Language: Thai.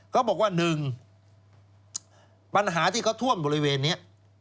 เขาบอกว่า๑ปัญหาที่เขาท่วมบริเวณนี้